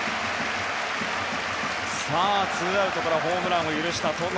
ツーアウトからホームランを許した戸郷。